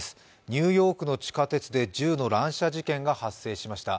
ニューヨークの地下鉄で銃の乱射事件が発生しました。